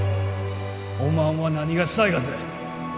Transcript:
おまんは何がしたいがぜ？